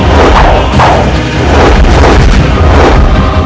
tombak turun agung